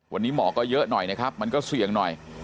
วันนี้หมอก็เยอะหน่อยนะครับมันก็เสี่ยงหน่อย